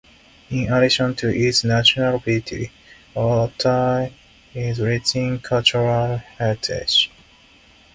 In addition to its natural beauty, Altai is rich in cultural heritage.